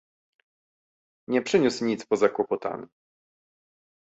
Nie przyniósł nic poza kłopotami